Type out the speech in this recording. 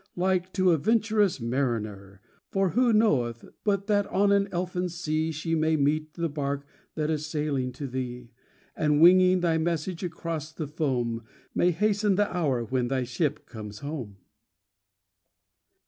Like to a venturous mariner; For who knoweth but that on an elfin sea She may meet the bark that is sailing to thee, And, winging thy message across the foam. May hasten the hour when thy ship comes home?